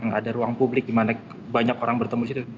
yang ada ruang publik dimana banyak orang bertemu